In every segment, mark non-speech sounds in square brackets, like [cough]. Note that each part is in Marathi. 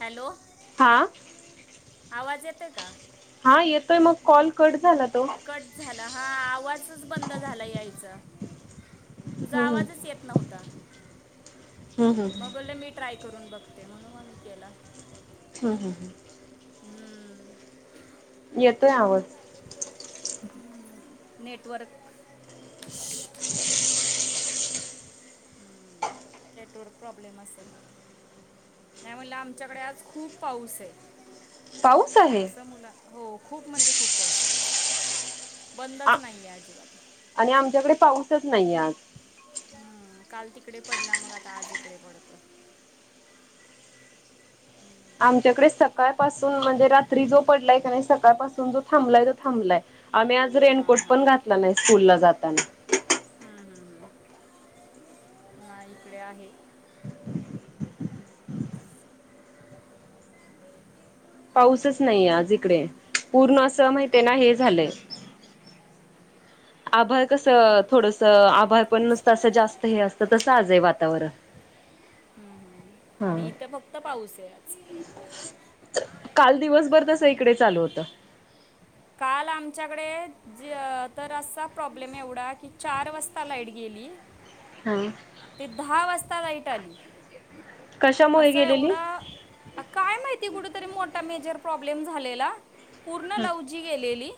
हॅलो, हा, आवाज येतोय का? हा येतोय, मग कॉल कट झाला ओ-' कट झाला हा आवाजच बंद झाला यायचा. तुझा हम्म हम्म आवाजच येत नव्हता, हम्म मग हम्म बोलले मी. ट्राय करून बघते म्हणून म मी केला. हां, हां, हां. येतोय आवाज. हॅलो, नेटवर्क नेटवर्क प्रॉब्लेम असेल. नाही म्हणलं आमच्याकडे आज खूप पाऊस ये, पाऊस आहे कस मुलं हो. खूप म्हणजे खूप, पाऊसय आज. आ बंदच नाहीये अजिबात. आणि आमच्याकडे, पाऊसच नाहीय आज. हम्म. काल तिकडे पडला. मग आता आज इकडे पडतो. आमच्याकडे सकाळपासून. म्हणजे, रात्री जो पडलाय का नाही. सकाळपासून जो थांबलाय, तो थांबलाय. आम्ही आज, रेनकोट हां हां पण घातला नाही. स्कूल ला जाताना. हम्म, हम्म, हम्. हा, इकडे आहे. पाऊसच नाहीेये आज इकडे. पूर्ण असं, माहितेय ना, हे झालंय. [inaudible] आभाळ कसं, थोडसं, आभाळ पण नसतं. असं जास्त हे असतं. तसं आजय वातावरण. हम्म, हम्. आणि हा इथं, फक्त पाऊसय आज. काल दिवसभर तसं, इकडे चालू होतं. काल आमच्याकडे, ज तर असा प्रॉब्लेम एवढा की, चार वाजता लाईट गेली हां. ते दहा वाजता लाईट आली. कशामुळे असं गेलेली? एवढं काय माहिती? कुठ तरी, मोठा मेजर प्रॉब्लेम झालेला. पूर्ण ह लवजी गेलेली.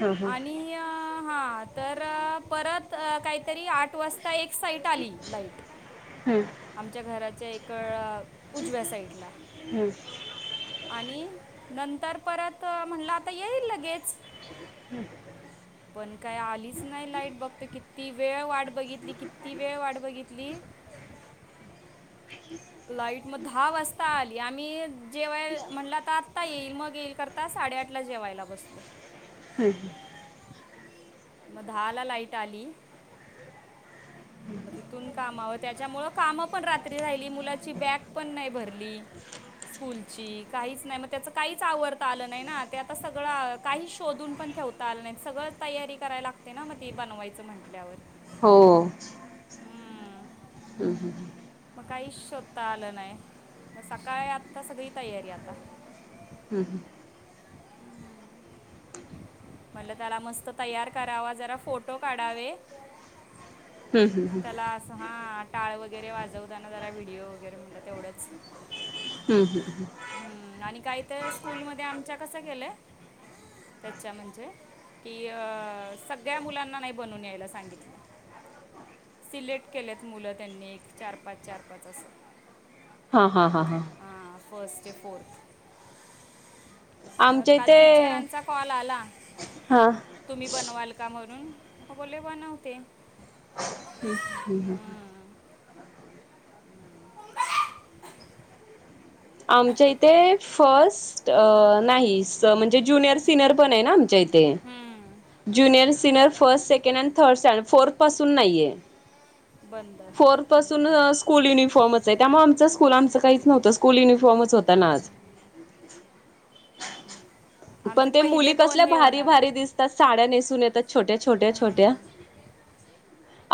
ह ह आणि आ हा तर, परत काहीतरी आठ वाजता, एक साईट ट आली लाईट. ह. आमच्या घराच्या एक, उजव्या साईडला. ह आणि नंतर परत, म्हणलं आता येईल लगेच. पण काय? आलीच नाही लाईट. बघ ते किती वेळ वाट बघितली? किती वेळ वाट बघितली? [inaudible] लाईट म दहा वाजता आली. आम्ही जेव्हाय म्हणला आता आता येईल, मग येईल, करता. साडेआठला जेवायला बसलो. [unintelligible] म दहाला लाईट आली मग तिथून कामावं. त्याच्यामुळ कामं पण रात्री राहिली. मुलाची बॅग पण नाही भरली स्कूलची. काहीच नाही. मग त्याच काहीच, आवरता आलं नाही ना. ते आता सगळं, आ काही शोधून पण ठेव ता आलं नाही. सगळं तयारी करायला लागते ना. मग ती बनवायचं म्हंटल्यावर. होओ. हं, हं. मग काहीच, शोधता आलं नाही. मग सकाळी आता, सगळी तयारी आता. ह, हं. म्हणलं, त्याला मस्त तयार करावा. जरा फोटो काढावे. ह ह त्याला असं, हा. टाळ वगैरे वाजवताना. जरा व्हिडिओ वगैरे, म्हणलं तेवढंच. हम्म, हम्, हम्. हम्म आणि काही तर स्कूलमध्ये आमच्या, कसं केलंय त्याच्या म्हणजे. की, अ सगळ्या मुलांना, नाही बनून यायला सांगितलं. सिलेक्ट केल्यात मुलं त्यांनी. एक चार - पाच, चार - पाच असं. हा, हा, हा, हा. हा, फस्ट ते फोर्थ. मग आमच्या काल इथे टीचरांचा कॉल आला. हा तुम्ही बनवाल का, म्हणून? बोले बनवते. हम्, हम, ह, ह. मम्मे आमच्या इथे फर्स्ट नाही म्हणजे ज्युनियर सिनियर पण आहे ना हम्म. Junior senior first second and third stand fourth पासून नाहीये बंद फोरपासून हम्म. स्कूल युनिफॉर्मच आहे त्यामुळे आमचं स्कूलांच आमचं काहीच नव्हतं स्कूल युनिफॉर्मच होता ना आज आमचे पण ते मुली पहिले दोन कसल्या हे भारी होणार भारी दिसत त्या साड्या नेसून येतात छोट्या छोट्या छोट्या हम्म.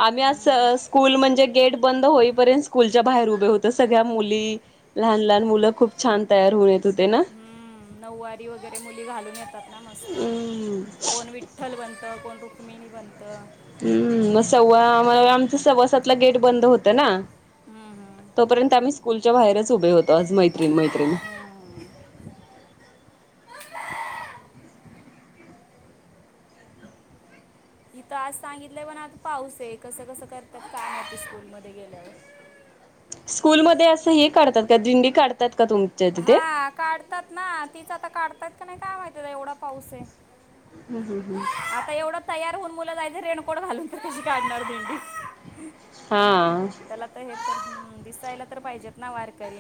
आम्ही आस हम्म. स्कूल म्हणजे गेट बंद होईपर्यंत स्कूलच्या बाहेर उभे होत सगळ्या मुली लहान लहान मुलं खूप छान तयार होऊन येत होते ना हम नऊवारी वगैरे मुली घालून येतात ना मस्त हम्म कोण विठ्ठल बनतं कोण रुक्मिणी बनतं हम्म मग सव्वा आमच सव्वासातला गेट बंद होत ना हम्म. हम्म. तोपर्यंत आम्ही स्कूलच्या बाहेरच उभे होतो आज मैत्रीण मैत्रिण इथं आज सांगितलंय पण आता पाऊस आहे कसं कसं करतात का मात स्कूलमध्ये गेल्यावर स्कूलमध्ये असं हे करतात का दिंडी काढतात का तुम हा काढतात ना तीच आता काढत्यात का नाही काय माहिती एवढा पाऊस आहे हम् हम हम् आता एवढं तयार होऊन मुल जायच रेनकोट घालून तशी काढणार तेनी हा त्याला तर हे तर दिसायला तर पाहिजेत ना वारकरी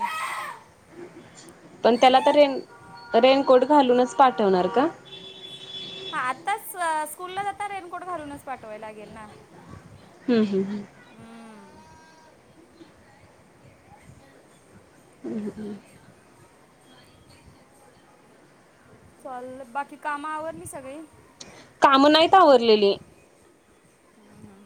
पण त्याला तर रेन रेनकोट घालूनच पाठवणार का हा आत्ताच स्कूलला जाताना रेनकोट घालूनच पाठवाय लागेल ना हम हम हम्म. हमम चल बाकी कामा आवरली सगळी काम नाहीत आवरलेली हम हा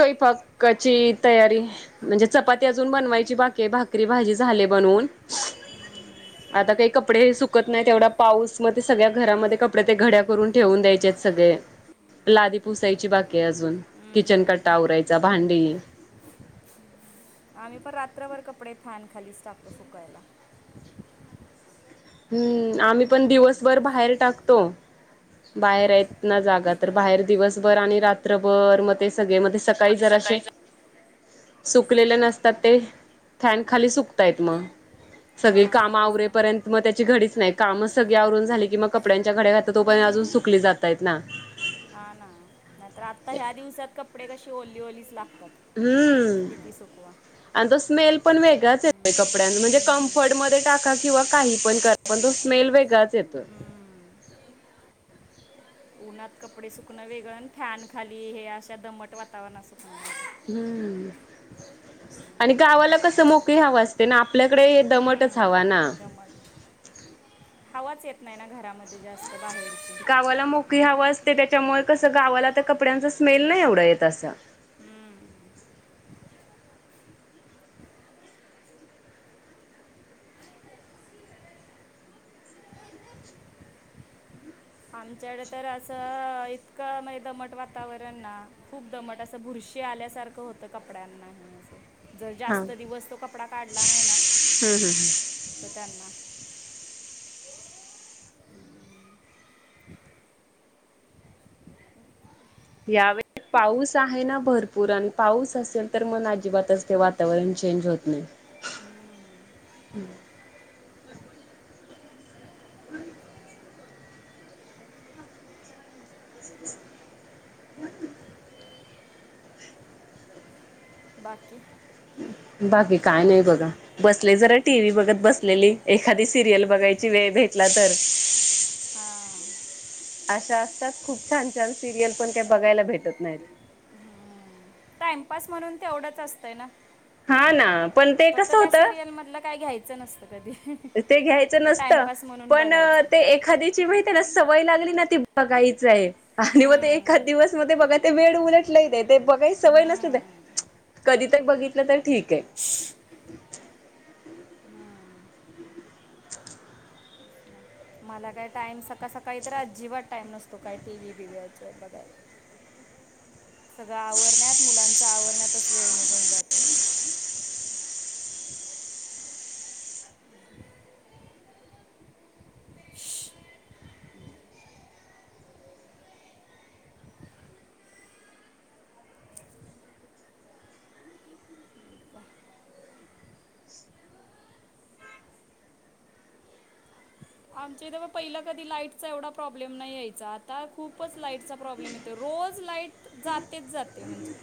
स्वयपाकची तयारी म्हणजे चपाती अजून बनवायची बाकीेय भाकरी भाजी झाले बनवून त्यात हे कपडे सुकत नाही तेवढा पाऊस मध्ये सगळ्या घरामध्ये कपडे ते घड्या करून ठेवून द्यायचेत सगळे लादी पुसायची बाकीय अजून किचन कट्टा आवरायचा भांडी आम्ही पण रात्रभर कपडे फॅन खालीच टाकतो सुकायला हम्म आम्ही पण दिवसभर बाहेर टाकतो बाहेर आहेत ना जागा तर बाहेर हम्म. दिवसभर आणि रात्रभर मग ते सगळे मध्ये स सकाळी जरा असे सुकलेले नसतात ते फॅन खाली सुकतायत मग सगळी हा काम तेच ना आवरेपर्यंत मग त्याची घडीच नाही कामच सगळी आवरून झाली कि मग कपड्यांच्या घड्या घातात तो पण अजून हम्म. सुकली जातय ना हा ना नाहीतर आता ह्या दिवसात कपडे कसे ओली ओलीच लागतात हम्म किती सुकवा आणि तो स्मेल पण वेगळाच येतोय कपड्यां म्हणजे क हम्म. फड मध्ये टाका किंवा काही पण करा पण तो स्मेल वेगळाच येतोय उन्हात कपडे सुकणं वेगळं आणि फॅन खाली हे अशा दमट वातावरणात सुकणं वेग हम्म आणि गावाला कसं मोकळी हवं असते ना आपल्याकडे हे दमटच हवा हम्म. ना दमट हवाच येत नाही ना घरामध्ये जास्त बाहेर गावाला मोकळी हवं असते त्याच्यामुळे कसं गावाला तर कपड्यांचा स्मेल नाही एवढं येत असं हम्म. आमच्याकडे तर असं इतकं म्हण दमट वातावरण ना खूप दमट असं बुरशी आल्यासारखं होतं कपड्यांनाही असं जर हा जास्त हम्म दिवस तो कपडा काढला नाही ना हम् तर त्यांना यावे पाऊस आहे ना भरपूर आणि पाऊस असेल तर मग अजिबातच ते वातावरण चेंज होत नाही. हम् बाकी बाकी काय नाही बघा का बसले जरा टी व्ही बघत बसलेली एखादी सिरियल बघायची वेळ भेटला तर हा अशा असता खूप छान छान सिरियल पण काही बघायला भेटत नाहीत. टाइमपास म्हणून तेवढंच असतंय ना हा ना पण ते फक्त कसं त्या होतं सिरियल मधलं काय घ्यायचं नसतं कधी. ते घ्यायचं तर नसत टाइमपास म्हणून पण बघायचा ते एखाद्याची माहिती आहे ना सवय लागली ना ती बघायच आहे. आणि मग ते एकाच हम्म. दिवस मध्ये बघाय ते वेळ उलटला ते ते बघाय सवय हम्म. नसते ते कधीतरी बघितलं तर ठीक आहे मला काय टाईम सकाळ सकाळी तर अजिबात टाईम नसतो काय टी व्ही बिवयच बघाय सगळं आवरण्यात मुलांचा आवरण्यातच वेळ निघून जातो. आमच्या इथे पहिला कधी लाईटचा एवढा प्रॉब्लेम नाही, यायचा आता खूपच लाईटचा प्रॉब्लेम येतो रोज लाईट, जातेच जाते म्हणजे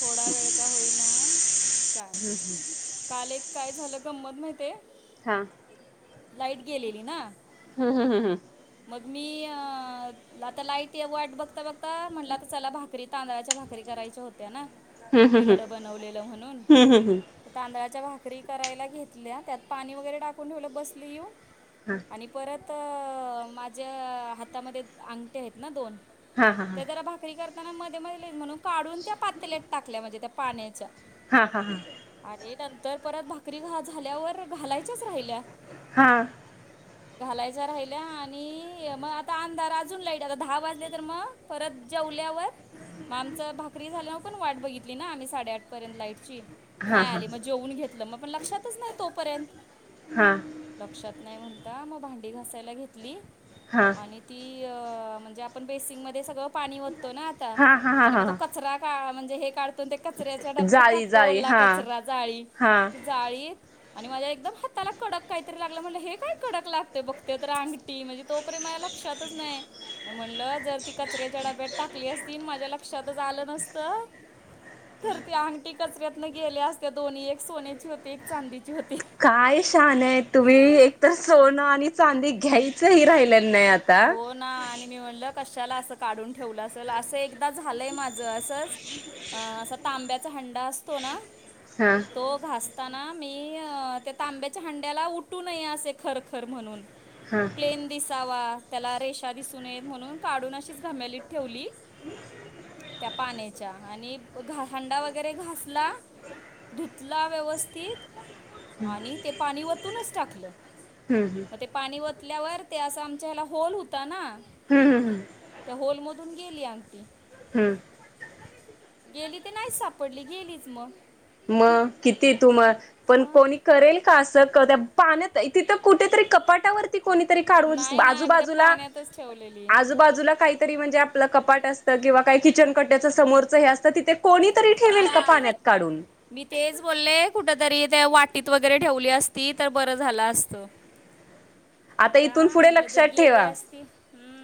थोडा वेळ का होईना काय काल एक काय झालं गंमत माहिते हा लाईट गेलेली ना ह हं ह हम मग मी आता लाईट वाट बघता बघता म्हटला तर चला भाकरी तांदळाच्या भाकरी करायच्या होत्या ना. हम्म हम्म बिरड बनवलेलं म्हणून हम्म हम्म हम्म तांदळाच्या भाकरी करायला घेतल्या त्यात पाणी वगैरे टाकून ठेवलं बसली येऊन. हम्म आणि परत माझ्या हातामध्ये अंगठ्या आहेत ना दोन हा हा त्या जरा भाकरी भाकरी करताना मध्ये मध्ये म्हणून काढून त्या पातल्यात टाकल्या म्हणजे त्या पाण्याच्या हा हा हा आणि नंतर परत भाकरी झाल्यावर घालायच्याच राहिल्या हां घालायच राहिल्या आणि मग आता अंधार अजून लाईट आता दहा वाजले तर मग परत जेवल्यावर मग आमचं भाकरी झाल्यामुळे पण वाट बघितली ना आम्ही साडेआठपर्यंत लाईटची हा नाही हा आली मग जेवून घेतलं मग पण लक्षातच नाही तोपर्यंत हा लक्षात नाही म्हणता मग भांडी घसायला घेतली हा आणि ती म्हणजे आपण बेसिंक मध्ये सगळं पाणी वतो ना आता हा हा हा आणि मग तो हा कचरा का म्हणजे हे काढतो ते कचऱ्याच्या डब्यात जाळी टाकतो जाळी ओला हा कचरा जाळी- हा जाळीत आणि माझ्या एकदम हाताला कडक काहीतरी लागलं. म्हटलं हे काय कडक लागत. बघते तर अ- टी म्हणजे तो [unintelligible] माझ्या लक्षातच नाही. म म्हणलं जर ती कचऱ्याच्या डब्यात टाकली असती, अन माझ्या लक्षातच आलं नसत- तर ते अंगठी कचऱ्यातन गेल्या असत्या दोन्ही. एक सोन्याची होती. एक चांदीची होती. कायशहाणं ए तुम्ही. एक तर सोनं आणि चांदी घ्यायचंही राहिलं नाही आता. हो न. -ना. आणि मी म्हणलं कशाला असं काढून ठेवलं असेल. असं एकदा झालंय माझं असंच- आं असा तांब्याचा हंडा असतो ना? हा. तो घासताना मी त्या तांब्याच्या हांड्याला उठू नये असे खरखर म्हणून- हा प्लेन दिसावा. त्याला रेषा दिसून नयेत म्हणून काढून अशीच घमेलीत ठेवली. त्या पाण्याच्या आणि घ हांडा वगैरे घासला- धुतला व्यवस्थित आणि ते पाणी वतूनच टाकलं. हम् हम्. मग पाणी वतल्यावर ते असं आमच्या ह्याला होल होता ना? हम्. हम. ह. त्या होलमधून गेली आंगठी. हम्म. गेली ते नाहीच सापडली. गेलीच मग. म किती तुम - पण मग कोणी- करेल का अस? त्या पाण्यात तिथ कुठेतरी कपाटावर- त कोणीतरी काढून. नाही नाही मी त्या आजूबाजूला पाण्यातच ठेवलेली आजूबाजूला काहीतरी म्हणजे- आपलं कपाट असतं किंवा काही किचन कट्ट्याचं समोरचं हे असतं तिथे- कोणीतरी ठेवेल का पाण्यात काढून? मी तेच बोलले. कुठ तरी त्या वाटीत वगैरे ठेवली असती तर बरं झालं असत. इथून आता पुढे म्हटलं तर लक्षात गेले ठेवा असती. हम्.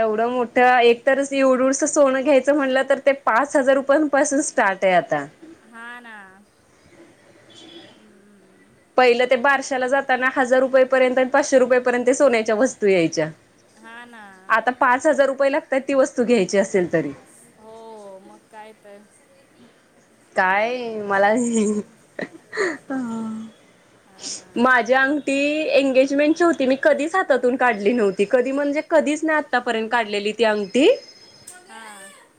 एवढं मोठ्ठया एक तर अस एवढु एवढुस सोनं घ्यायचं म्हणलं तर ते पाच हजार रुपयांपासून- स्टार्ट ए आता. हा ना. ज पहिलं ते बारशाला जाताना हजार रुपयेपर्यंत आणि पाचशे रुपयेपर्यंत सोन्याच्या वस्तू यायच्या. हा ना. आता पाच हजार रुपये लागतात ती वस्तू घ्यायची असेल तरी. हो मग काय तर. काय मला -माझ- हा ना -झी अंगठी एंगेजमेंटची होती. मी कधीच हातातून काढली नव्हती. कधी म्हणजे- कधीच नाही आत्तापर्यंत काढलेली ती अंगठी. हा.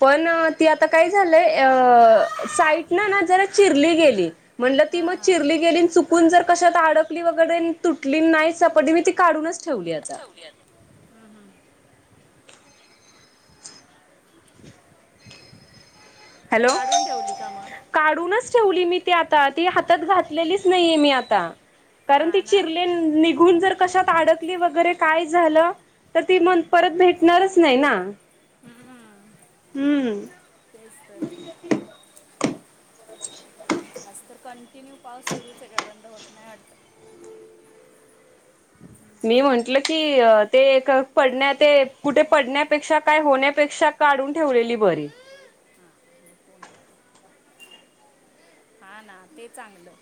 पण ती आता काय झालंय? अ -साईटन ना जरा चिरली गेली. म्हणलं ती मग हां चिरली गेली न चुकून जर कशात अड- -कली वगैरे तुटली न नाही सापडली. मी ती काढूनच ठेवली आता. हं. हं. हॅलो काढून ठेवली का? मग काढूनच ठेवली मी ती आता ती हातात घातल्यालीच नाहीये मी आता. कारण ती हा ना चिरलेन निघून जर कशात अडकली वगैरे काय झालं तर ती म्ह परत भेटणारच नाय ना हम्म हम्म. तेच तर. [inaudible] आज तर कंटिन्यू पाऊस सुरूच आय काय बंद होत नाय वाटत. [inaudible] मी म्हंटलं की ते एक पडण्या ते कुठे पडण्यापेक्षा काय होण्यापेक्षा काढून ठेवलेली बरी. हा ना ते चांगलं.